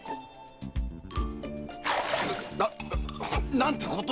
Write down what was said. な何てことをっ！